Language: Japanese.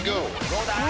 どうだ？